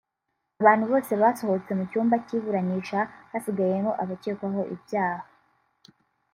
Abantu bose basohotse mu cyumba cy’iburanisha hasigayemo abakekwaho ibyaha